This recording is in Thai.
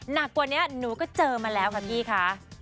หนักกว่านี้หนูก็เจอมาแล้วค่ะพี่คะ